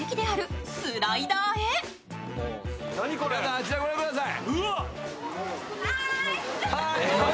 あちらご覧ください。